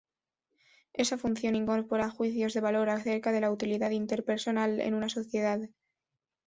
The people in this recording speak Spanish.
Esa función incorpora juicios de valor acerca de la utilidad interpersonal en una sociedad.